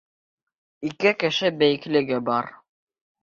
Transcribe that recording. Ике кеше бейеклеге бар.